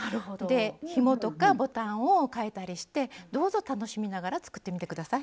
でひもとかボタンをかえたりしてどうぞ楽しみながら作ってみて下さい。